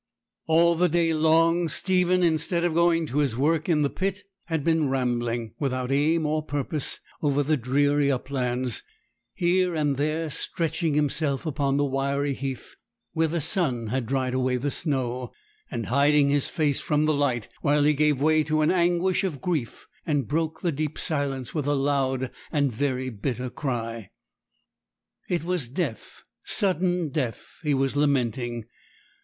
All the day long, Stephen, instead of going to his work in the pit, had been rambling, without aim or purpose, over the dreary uplands; here and there stretching himself upon the wiry heath, where the sun had dried away the snow, and hiding his face from the light, while he gave way to an anguish of grief, and broke the deep silence with a loud and very bitter cry. It was death, sudden death, he was lamenting.